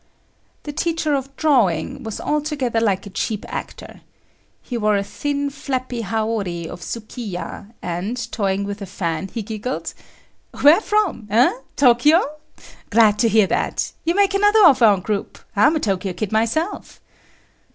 The teacher of drawing was altogether like a cheap actor. He wore a thin, flappy haori of sukiya, and, toying with a fan, he giggled; "Where from? eh? Tokyo? Glad to hear that. You make another of our group. I'm a Tokyo kid myself."